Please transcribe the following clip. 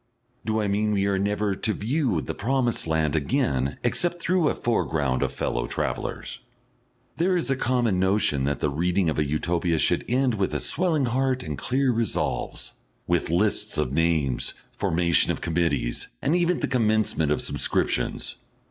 Do I mean we are never to view the promised land again except through a foreground of fellow travellers? There is a common notion that the reading of a Utopia should end with a swelling heart and clear resolves, with lists of names, formation of committees, and even the commencement of subscriptions.